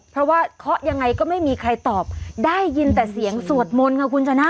เพราะว่าเคาะยังไงก็ไม่มีใครตอบได้ยินแต่เสียงสวดมนต์ค่ะคุณชนะ